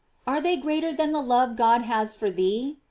Are they greater than the love God has for thee?